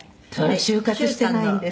「就活してないんですよ」